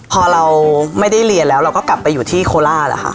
พอเราไม่ได้เรียนแล้วเราก็กลับไปอยู่ที่โคราช